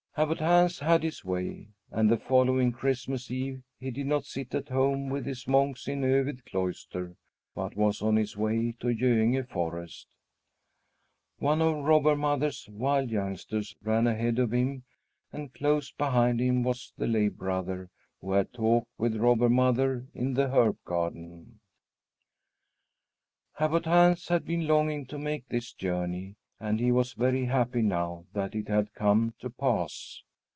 Abbot Hans had his way. And the following Christmas Eve he did not sit at home with his monks in Övid Cloister, but was on his way to Göinge forest. One of Robber Mother's wild youngsters ran ahead of him, and close behind him was the lay brother who had talked with Robber Mother in the herb garden. Abbot Hans had been longing to make this journey, and he was very happy now that it had come to pass.